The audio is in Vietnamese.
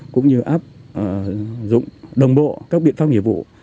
cũng như áp dụng đồng bộ các biện pháp nghiệp vụ